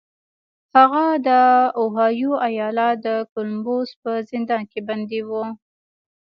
هغه د اوهایو ایالت د کولمبوس په زندان کې بندي و